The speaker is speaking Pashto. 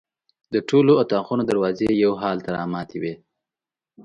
د ټولو اطاقونو دروازې یو حال ته رامتې وې.